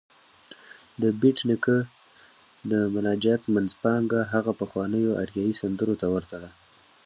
د بېټ نیکه د مناجات منځپانګه هغه پخوانيو اریايي سندرو ته ورته ده.